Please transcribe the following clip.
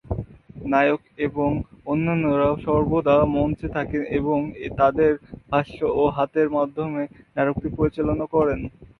নায়ক এবং অন্যান্যরা সর্বদা মঞ্চে থাকেন এবং তাঁদের ভাষ্য ও হাতের মাধ্যমে নাটকটি পরিচালনা করেন।